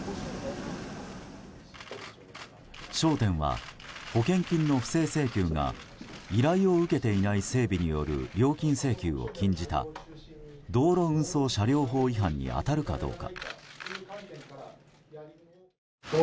焦点は保険金の不正請求が依頼を受けていない整備による料金請求を禁じた道路運送車両法違反に当たるかどうか。